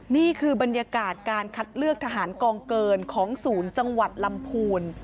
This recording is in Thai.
นี่คือบรรยากาศการคัดเลือกทหารกองเกินของศูนย์จังหวัดลำพูน